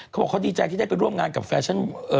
เขาบอกเขาดีใจที่ได้ไปร่วมงานกับแฟชั่น